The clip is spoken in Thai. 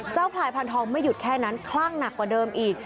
พลายพันธองไม่หยุดแค่นั้นคลั่งหนักกว่าเดิมอีก